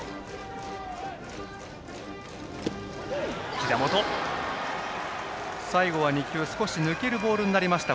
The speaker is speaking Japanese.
ひざ元、最後は２球少し抜けるボールでした。